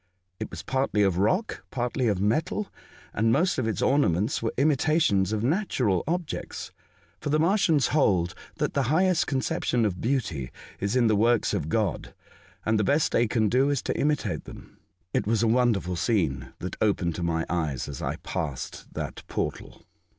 It was partly of rock, partly of metal, and most of its ornaments were imitations of natural objects, for the Martians hold that the highest conception of beauty is in the works 134 A Voyage to Other Worlds. of God, and the best they can do is to imitate them. It was a wonderful scene that opened to my eyes as I passed that portal.